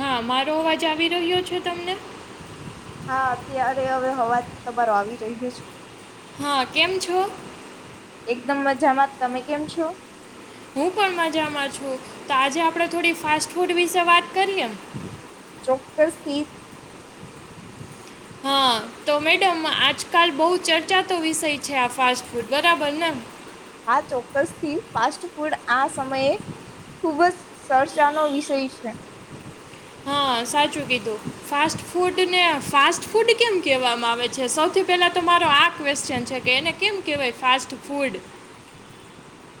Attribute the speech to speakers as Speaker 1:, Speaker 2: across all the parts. Speaker 1: હા મારો અવાજ આવી રહ્યો છે તમને?
Speaker 2: હા અત્યારે હવે હવાજ તમારો આવી રહ્યો છે.
Speaker 1: હા કેમ છો?
Speaker 2: એકદમ મજામાં તમે કેમ છો?
Speaker 1: હું પણ મજામાં છું તો આજે આપણે થોડી ફાસ્ટ ફૂડ વિશે વાત કરી એમ
Speaker 2: ચોક્કસથી.
Speaker 1: હા તો મેડમ આજકાલ બવ ચર્ચા તો વિષય છે આ ફાસ્ટ ફૂડ બરાબર ન?
Speaker 2: આ ચોક્કસથી ફાસ્ટ ફૂડ આ સમયે ખૂબ જ ચર્ચાનો વિષય છે.
Speaker 1: હા સાચું કીધું ફાસ્ટ ફૂડને ફાસ્ટ ફૂડ કેમ કહેવામાં આવે છે સૌથી પહેલા તો મારો આ ક્વેશ્ચન છે કે એને કેમ કેહેવાય ફાસ્ટ ફૂડ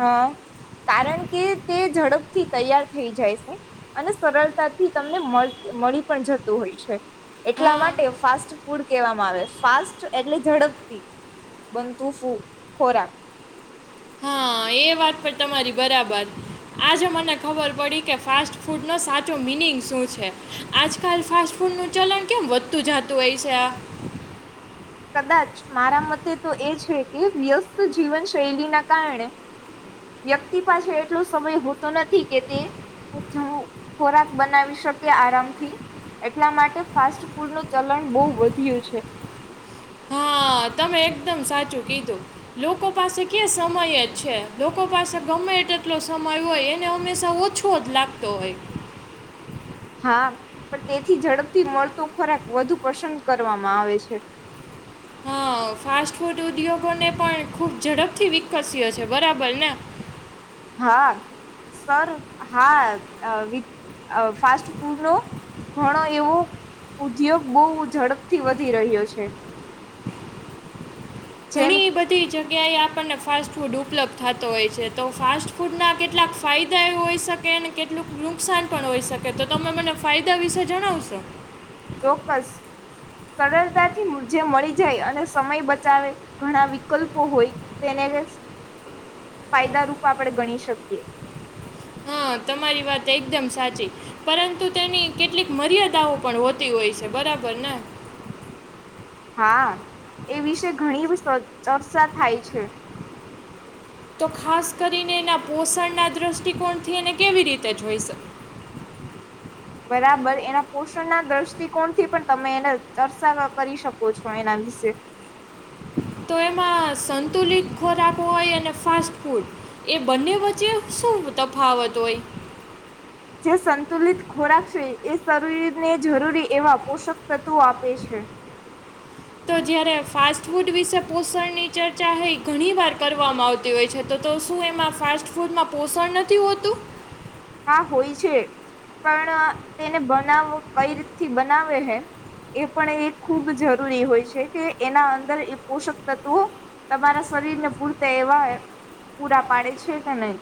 Speaker 2: હા કારણ કે તે ઝડપથી તૈયાર થઈ જાય છે અને સરળતાથી તમને મલ મળી પણ જતું હોય છે એટલા માટે ફાસ્ટ ફૂડ કહેવામાં આવે. ફાસ્ટ એટલે ઝડપથી બનતું ફૂડ, ખોરાક.
Speaker 1: હા એ વાત પણ તમારી બરાબર આજે મને ખબર પડી કે ફાસ્ટ ફૂડ નો સાચો મિનિંગ શું છે આજકાલ ફાસ્ટ ફૂડનું ચલણ કેમ વધતું જતું હોય છે આ
Speaker 2: કદાચ મારા મતે તો એ છે કે વ્યસ્ત જીવન શૈલી ના કારણે વ્યક્તિ પાસે એટલો સમય હોતો નથી કે તે એક ખોરાક બનાવી શકે આરામથી એટલા માટે ફાસ્ટ ફૂડ નું ચલણ બહુ વધ્યું છે.
Speaker 1: હા તમે એકદમ સાચું કીધું લોકો પાસે ક્યા સમય જ છે લોકો પાસે ગમે તેટલો સમય હોય એને હંમેશા ઓછો જ લાગતો હોય.
Speaker 2: હા પણ તેથી ઝડપથી મળતો ખોરાક વધુ પસંદ કરવામાં આવે છે.
Speaker 1: હા ફાસ્ટ ફૂડ ઉદ્યોગોને પણ ખૂબ ઝડપથી વિકસ્યો છે બરાબર ને?
Speaker 2: હા સર હા અ વી અ ફાસ્ટ ફૂડ નો ઘણો એવો ઉદ્યોગ બહુ ઝડપથી વધી રહ્યો છે.
Speaker 1: ઘણી બધી જગ્યાએ આપ પણને ફાસ્ટ ફૂડ ઉપલબ્ધ થતો હોય છે તો ફાસ્ટફુડ ઉપલબ્ધ થતો હોય છે તો ફાસ્ટ ફૂડના કેટલાક ફાયદા એ હોઈ શકે અને કેટલુંક નુકસાન પણ હોઈ શકે તો તમે મને ફાયદા વિશે જણાવશો?
Speaker 2: ચોક્કસ સરળતાથી જે મળી જાય અને સમય બચાવે ઘણા વિકલ્પો હોય તેને ફાયદારૂપ આપણે ગણી શકીએ.
Speaker 1: હા તમારી વાત એકદમ સાચી પરંતુ તેની કેટલીક મર્યાદાઓ પણ હોતી હોય છે બરાબર ને?
Speaker 2: હા એ વિશે ઘણી ચર્ચા થાય છે.
Speaker 1: તો ખાસ કરીને એના પોષણના દ્રષ્ટિકોણથી એને કેવી રીતે જોઈ શ
Speaker 2: બરાબર એના પોષણ ના દ્રષ્ટિકોણ થી પણ તમે એને ચર્ચા કરી શકો છો એના વિશે.
Speaker 1: તો એમાં સંતુલિત ખોરાક હોય અને ફાસ્ટ ફૂડ એ બંને વચ્ચે શું તફાવત હોય?
Speaker 2: જે સંતુલિત ખોરાક છે એ શરીર ને જરૂરી એવા પોષક તત્વો આપે છે.
Speaker 1: ફૂડ વિશે પોષણની ચર્ચા હ ઘણી વાર કરવામાં આવતી હોય છે તો તો શું એમાં ફાસ્ટ ફૂડમાં પોષણ નથી હોતું?
Speaker 2: હા હોય છે પણ તેને બનાવ કઈ રીતથી બનાવે હે એ પણ એ ખૂબ જરૂરી હોય છે. કે એના અંદર એ પોષક તત્વો તમારા શરીર ને પૂરતા એવા એમ પૂરા પાડે છે કે નહી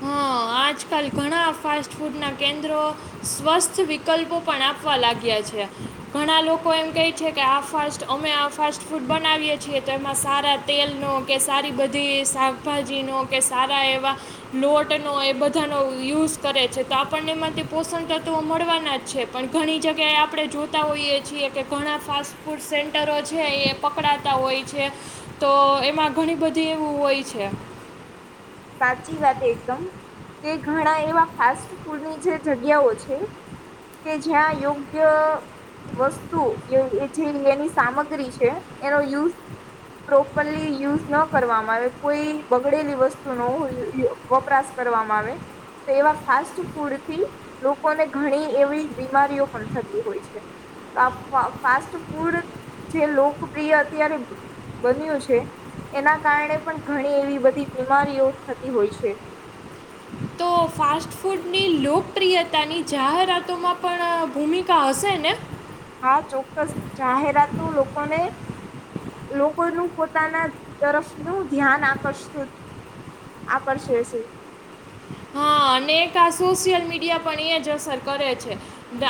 Speaker 1: હા આજકાલ ઘણા ફાસ્ટ ફૂડના કેન્દ્રો સ્વસ્થ વિકલ્પો પણ આપવા લાગ્યા છે ઘણા લોકો એમ કહે છે કે આ ફાસ્ટ અમે આ ફાસ્ટ ફૂડ બનાવીએ છીએ તો એમાં સારા તેલનો કે સારી બધી શાકભાજીનો કે સારા એવા લોટનો એ બધાનો યુઝ કરે છે તો આપણને એમાંથી પોષણ તત્વો મળવાનાજ છે પણ ઘણી જગ્યાએ આપણે જોતા હોઈએ છીએ કે ઘણા ફાસ્ટ ફૂડ સેન્ટરો છે એ પકડાતા હોય છે તો એમાં ઘણી બધી એવું હોય છે
Speaker 2: સાચી વાત એકદમ કે ઘણા એવા ફાસ્ટ ફૂડની જે જગ્યાઓ છે કે જ્યાં યોગ્ય વસ્તુ જે એની સામગ્રી છે એનો યુઝ પ્રોપરલી યુઝ ન કરવામાં આવે કોઈ બગડેલી વસ્તુ વપરાશ કરવામાં આવે તેવા ફાસ્ટફૂડથી લોકોને ઘણી એવી બીમારીઓ પણ થતી હોય છે આ ફાસ્ટ ફૂડ જે લોકપ્રિય અત્યારે બન્યું છે એના કારણે પણ ઘણી એવી બધી બીમારીઓ થતી હોય છે
Speaker 1: તો ફાસ્ટ ફૂડની લોકપ્રિયતાની જાહેરાતોમાં પણ ભૂમિકા હશે ને
Speaker 2: હા ચોક્કસ જાહેરાતો લોકોને લોકોનું પોતાના તરફનું ધ્યાન આકર્ષ આકર્ષે છે
Speaker 1: હા અને એક આ સોશિયલ મીડિયા પણ એ જ અસર કરે છે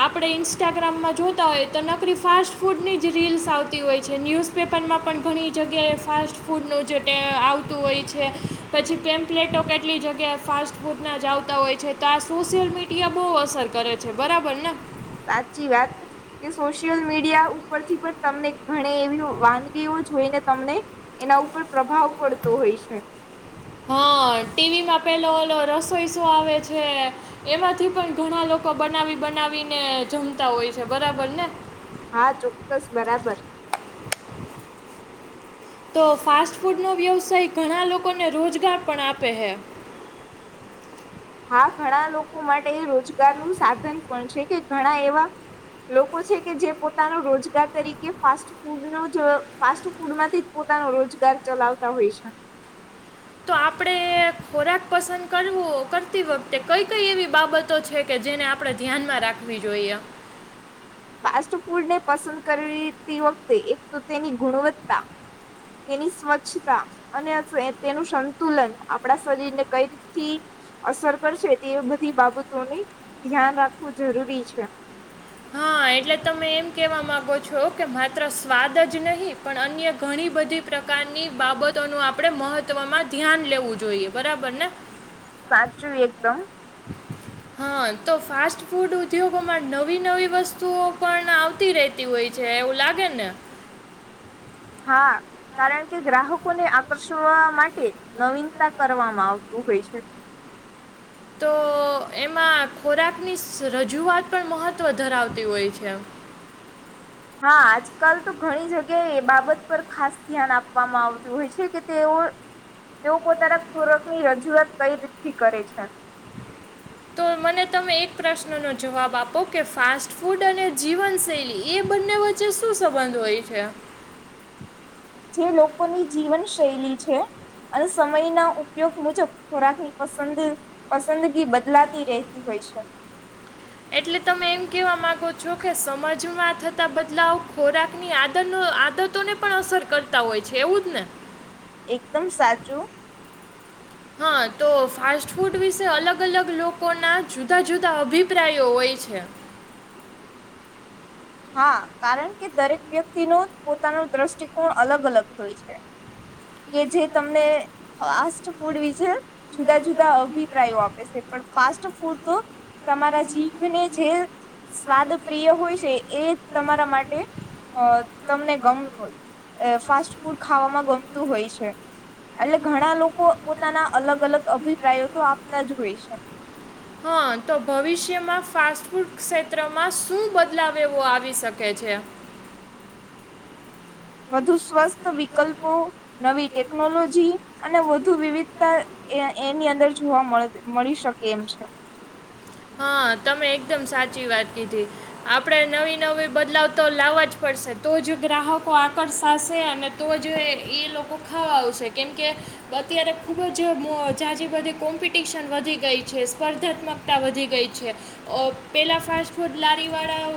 Speaker 1: આપણે ઇન્સ્ટાગ્રામમાં જોતા હોય તો નકરી ફાસ્ટ ફૂડની જ રીલ્સ આવતી હોય છે ને ન્યૂઝપેપરમાં પણ ઘણી જગ્યાએ ફાસ્ટ ફૂડનું જ આવતું હોય છે પછી પેમ્પ્લેટો કેટલી જગ્યાએ ફાસ્ટ ફૂડ ના જ આવતા હોય છે તો આ સોશિયલ મીડિયા બહુ અસર કરે છે બરાબર ને
Speaker 2: સાચી વાત કે સોશિયલ મીડિયા ઉપરથી પણ તમને ઘણી એવી વાનગીઓ જોઈને તમને એના ઉપર પ્રભાવ પડતો હોય છે હમ [inaudible]
Speaker 1: હા ટીવી માં પેલો ઓલો રસોઈસો આવે છે એમાંથી પણ ઘણા લોકો બનાવી બનાવીને જમતા હોય છે બરાબર ને
Speaker 2: હા ચોક્કસ બરાબર
Speaker 1: તો ફાસ્ટ ફૂડ નો વ્યવસાય ઘણા લોકોને રોજગાર પણ આપે છે
Speaker 2: હા ઘણા લોકો માટે રોજગાર નું સાધન પણ છે કે ઘણા એવા લોકો છે કે જે પોતાનો રોજગાર તરીકે ફાસ્ટ ફૂડ નો જ ફાસ્ટ ફૂડમાંથી જ પોતાનો રોજગાર ચલાવતા હોય છે.
Speaker 1: તો આપડે ખોરાક પસંદ કરવું કરતી વખતે કઈ-કઈ એવી બાબતો છે કે જેને આપણેે ધ્યાનમાં રાખવી જોઈએ.
Speaker 2: ફાસ્ટ ફૂડ ને પસંદ કરતી વખતે એક તો તેની ગુણવત્તા તેની સ્વચ્છતા અને તેનું સંતુલન આપણા શરીરને કઈ રીતથી અસર કરશે તે બધી બાબતોની ધ્યાન રાખવું જરૂરી છે.
Speaker 1: હા એટલે તમે એમ કેહેવા માગો છો કે માત્ર સ્વાદ જ નહીં પણ અન્ય ઘણી બધી પ્રકારની બાબતોનું આપણે મહત્ત્વમાં ધ્યાન લેવું જોઈએ બરાબર ને
Speaker 2: સાંચું એકદમ
Speaker 1: હા તો ફાસ્ટ ફૂડ ઉદ્યોગોમાં નવી નવી વસ્તુઓ પણ આવતી રહેતી હોય છે એવું લાગે ને
Speaker 2: હા કારણ કે ગ્રાહકોને આકર્ષવા માટે નવીનતા કરવામાં આવતું હોય છે
Speaker 1: તો એમાં ખોરાક ની રજૂઆત પણ મહત્વ ધરાવતી હોય છે
Speaker 2: હા આજકાલ તો ઘણી જગ્યાએ એ બાબત પર ખાસ ધ્યાન આપવામાં આવતું હોય છે કે તેઓ તેઓ પોતાના ખોરક ની રજૂઆત કઈ રીતથી કરે છે
Speaker 1: પ્રશ્ન ન જવાબ આપો કે ફાસ્ટ ફૂડ અને જીવન શૈલી એ બંને વચ્ચે શું સંબંધ હોય છે
Speaker 2: તે લોકોની જીવન શૈલી છે અને સમયના ઉપયોગ મુજબ ખોરાક ની પસંદ પસંદગી બદલાતી રહેતી હોય છે.
Speaker 1: એટલે તમે એમ કેવા માંગો છો કે સમાજમાં થતા બદલાવ ખોરાક ની આદ આદતોને પણ અસર કરતા હોય છે એવું જ ને
Speaker 2: એકદમ સાચું
Speaker 1: હા તો ફાસ્ટ ફૂડ વિશે અલગ અલગ લોકો ના જુદા જુદા અભિપ્રાયો હોય છે.
Speaker 2: હા કારણ કે દરેક વ્યક્તિ નો પોતાનો દ્રષ્ટિકોણ અલગ અલગ હોય છે કે જે તમને ફાસ્ટ ફૂડ વિશે જુદા જુદા અભિપ્રાયો આપે છે પણ ફાસ્ટ ફૂડ તો તમારા જીભને જે સ્વાદ પ્રિય હોય છે એ તમારા માટે તમને ગમ ફાસ્ટ ફૂડ ખાવામાં ગમતું હોય છે એટલે ઘણા લોકો પોતાના અલગ અલગ અભિપ્રાયો તો આપતા જ હોય છે
Speaker 1: હા તો ભવિષ્યમાં ફાસ્ટ ફૂડ ક્ષેત્રમાં શું બદલાવ એવો આવી શકે છે
Speaker 2: વધુ સ્વસ્થ વિકલ્પો નવી ટેકનોલોજી અને વધુ વિવિધતા એની અંદર જોવા મળ મળી શકે એમ છે
Speaker 1: હા તમે એકદમ સાચી વાત કીધી આપણેે નવી નવી બદલાવ તો લાવવા જ પડશે તો જ ગ્રાહકો આકર્ષાશે અને તો જ એ લોકો ખાવા આવશે કેમકે અત્યારે ખુબ જ જાજ બધી કોમ્પિટિશન વધી ગઈ છે સ્પર્ધાત્મક વધી ગઈ છે પેલાં ફાસ્ટ ફૂડ લારીવાળા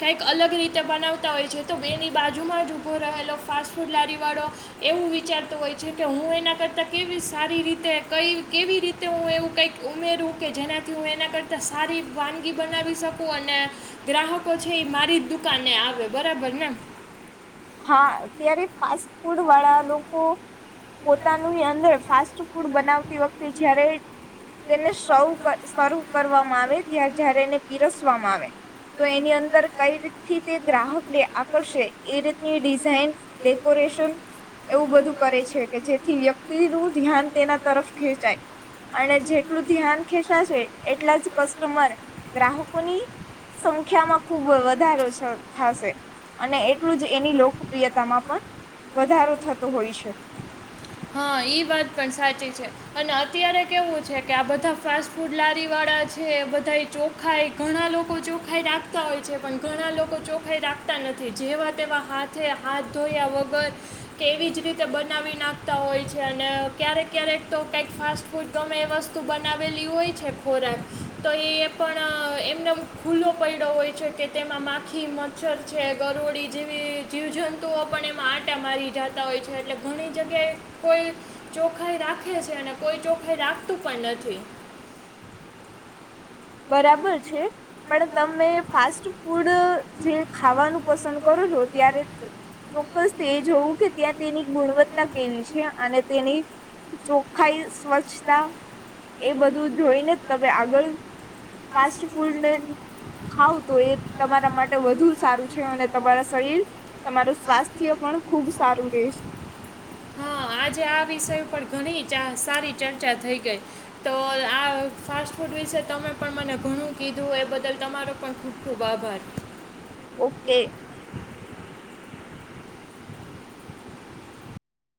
Speaker 1: કંઈક અલગ રીતે બનાવતા હોય છે તો એની બાજુમાં જ ઊભો રહેલો ફાસ્ટ ફૂડ લારીવાળો એવું વિચારતો હોય છે કે હું એના કરતાં કેવી સારી રીતે કંઈ કેવી રીતે હું એવું કંઈક ઉમેરું કે જેના હ એના કરતા સારી વાનગી બનાવી શકું અને ગ્રાહકો છે એ મારી દુકાને આવે બરાબર ને
Speaker 2: હા અત્યારે ફાસ્ટ ફૂડ વાળા લોકો પોતાનું અંદર ફાસ્ટ ફૂડ બનાવતી વખતે જયારે તેને સ શરૂ કરવામાં આવે ત્યા જય્યારે એને પીરસવામાં આવે તો એની અંદર કઈ રીતથી તે ગ્રાહક ને આકર્ષે એ રીતે ની ડિઝઇન ડેકોરેશન એવું બધું કરે છે કે જેથી વ્યક્તિનું ધ્યાન તેના તરફ ખેંચાય અને જેટલું ધ્યાન ખેંચાશે એટલા જ કસ્ટમર ગ્રાહકોની સંખ્યામાં ખુબ વધારો થશે અને એટલું જ એની લોકપ્રિયતામાં પણ વધારો થતો હોય છે
Speaker 1: હા ઈ વાત પણ સાચી છે અને અત્યારે કેવું છે કે આ બધા ફાસ્ટ ફૂડ લારી વાળા છે બધા એ ચોખાઈ ઘણા લોકો ચોખાઈ રાખતા હોય છે પણ ઘણા લોકો ચોખાઈ રાખતા નથી જેવા તેવા હાથે હાથ ધોયા વગર કેવી જ રીતે બનાવી નાખ તા હોય છે અને ક્યારેક ક્યારેક તો કાંઈક ફાસ્ટ ફૂડ ગમે એ વસ્તુ બનાવેલી હોય છે ખોરાક તો એ પણ એમનેમ ખુલ્લો પડ્યો હોય છે કે તેમાં માખી મચ્છર છે ગરોડીી જેવી જીવજંતુઓ પણ એમાં આંટા મારી જતા હોય છે એટલે ઘણી જગ્યાએ કોઈ ચોખાઈ રાખે છે અને કોઈ ચોખાઈ રાખતું પણ નથી
Speaker 2: બરાબર છે પણ તમે ફાસ્ટ ફૂડ જે ખાવાનું પસંદ કરો છો ત્યારે ચોક્કસથી એ જોવું કે ત્યાં તેની ગુણવત્તા કેવી છે અને તેની ચોખ્ખાઈ સ્વચ્છતા એ બધું જોઈને તમે આગળ ફાસ્ટ ફૂડને ખાવ તો એ તમારા માટે વધુ સારું છે અને તમારા શરીર તમારું સ્વાસ્થ્ય પણ ખૂબ સારું રહે છે
Speaker 1: હા આજે આ વિષય ઉપર ઘણી ચા સારી ચર્ચા થઈ ગઈ તો આ ફાસ્ટ ફૂડ વિશે તમે પણ મને ઘણું કીધું એ બદલ તમારો પણ ખૂબ ખૂબ આભાર
Speaker 2: ઓકે